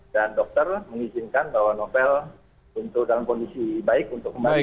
dan dokter mengizinkan bahwa novel untuk dalam kondisi baik untuk kembali